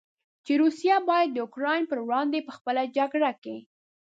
چې روسیه باید د اوکراین پر وړاندې په خپله جګړه کې.